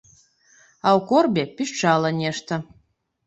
А ў корбе пішчала нешта.